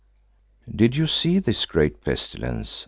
"Did you see this great pestilence?"